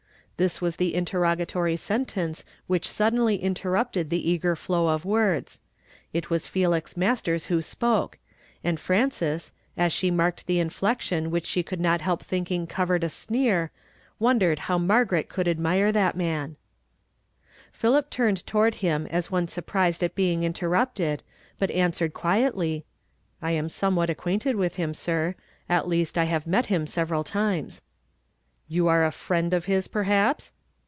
This was the interrogatory sentence which suddenly interrupted the eager flow of words. It was Felix AFasters who spoke ; and Frances, as she marked the inflection which she could not help thinking covered a sneer, wondered how Margaret could admire that man. >^! 1 ;. I r jii !iil Hi 68 YESTERDAY FRAMED IN TO DAY. Philip turned toward him as one surprised at being interrupted, but answered quietly, —" I am somewhat acquainted with him, sir ; at least I have met him several times." "You are a frienu of 'lis, perhaps